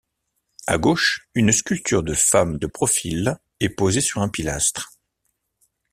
À gauche, une sculpture de femme de profil est posée sur un pilastre.